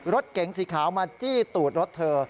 รถเก๋งสีขาวมาจี้ตูดรถเธอ